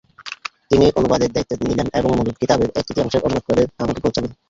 তিনি অনুবাদের দায়িত্ব নিলেন এবং মূল কিতাবের এক-তৃতীয়াংশের অনুবাদ করে আমাকে পৌঁছালেন।